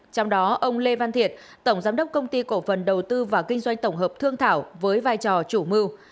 trong đó ông lê văn thiện tổng giám đốc công ty cổ phần đầu tư và kinh doanh tổng hợp thương thảo với vai trò chủ mưu